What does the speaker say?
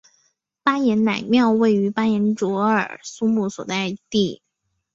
巴彦乃庙位于巴彦淖尔苏木所在地。